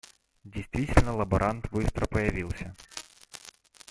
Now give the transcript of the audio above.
Действительно лаборант быстро появился.